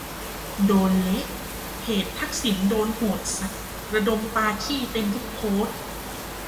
โดนเละ เพจทักษิณโดนโหดสัสระดมปาขี้เต็มทุกโพสต์